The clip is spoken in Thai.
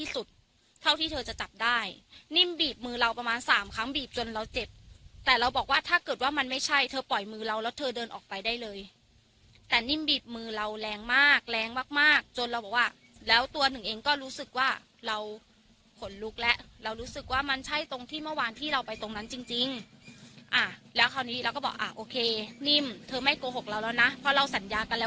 สุดเท่าที่เธอจะจับได้นิ่มบีบมือเราประมาณสามครั้งบีบจนเราเจ็บแต่เราบอกว่าถ้าเกิดว่ามันไม่ใช่เธอปล่อยมือเราแล้วเธอเดินออกไปได้เลยแต่นิ่มบีบมือเราแรงมากแรงมากมากจนเราบอกว่าแล้วตัวหนึ่งเองก็รู้สึกว่าเราขนลุกแล้วเรารู้สึกว่ามันใช่ตรงที่เมื่อวานที่เราไปตรงนั้นจริงจริงแล้วคราวนี้เราก็บอกอ่ะโอเคนิ่มเธอไม่โกหกเราแล้วนะเพราะเราสัญญากันแล้ว